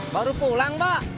baru pulang mbak